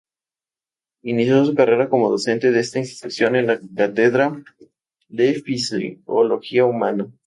Inició su carrera como docente de esta institución en la Cátedra de Fisiología Humana.